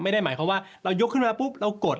ไม่ได้หมายความว่าเรายกขึ้นมาปุ๊บเรากด